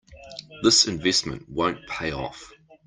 This investment won't pay off.